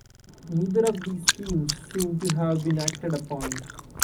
Neither of these schemes seem to have been acted upon.